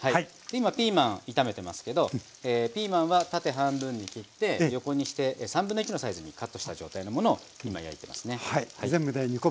今ピーマン炒めてますけどピーマンは縦半分に切って横にして1/3のサイズにカットした状態のものを今焼いてますね。